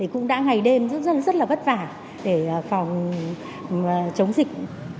cũng đã ngày đêm rất là vất vả để phòng chống dịch